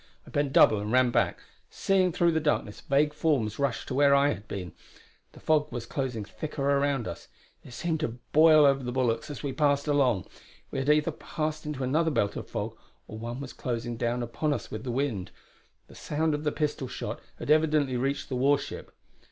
I bent double and ran back, seeing through the darkness vague forms rush to where I had been. The fog was closing thicker around us; it seemed to boil over the bulwarks as we passed along. We had either passed into another belt of fog, or one was closing down upon us with the wind. The sound of the pistol shot had evidently reached the war ship.